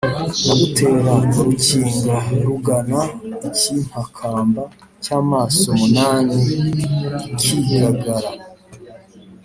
Nagutera Rukinga rugana ikimpakamba cy'amaso munani-Ikigagara.